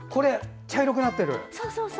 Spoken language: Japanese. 茶色くなってる！